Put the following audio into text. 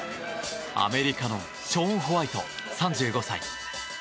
アメリカのショーン・ホワイト３５歳。